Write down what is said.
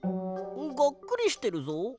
がっくりしてるぞ。